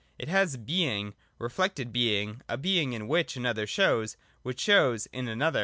It has Being, — reflected being, a being in which another shows, and which shows in another.